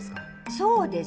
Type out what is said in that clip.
そうです。